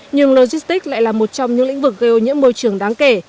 nhưng logistics lại là một trong những lĩnh vực gây ô nhiễm môi trường đáng kể